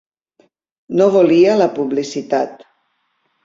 No volia la publicitat.